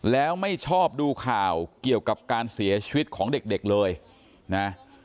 แล้วไม่ชอบดูข่าวเกี่ยวกับการเสียชีวิตของเด็กเลยนะ